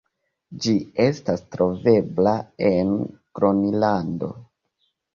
Ĝi estas trovebla en Gronlando.